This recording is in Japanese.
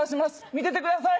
見ててください！